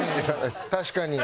確かに。